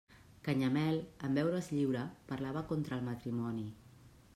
Canyamel, en veure's lliure, parlava contra el matrimoni.